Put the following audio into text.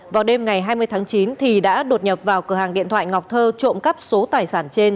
vào đêm ngày hai mươi tháng chín thì đã đột nhập vào cửa hàng điện thoại ngọc thơ trộm cắp số tài sản trên